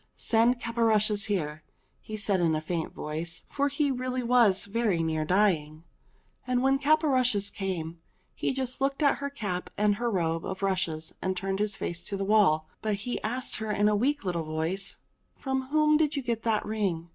"Send Caporushes here," he said in a faint voice; for he really was very near dying. CAPORUSHES 307 And when Caporushes came he just looked at her cap and her robe of rushes and turned his face to the wall ; but he asked her in a weak little voice, " From whom did you get that ring?"